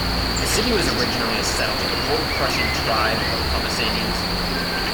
The city was originally a settlement of Old Prussian tribe of Pomesanians.